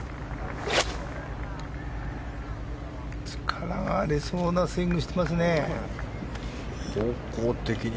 力がありそうなスイングしてますね。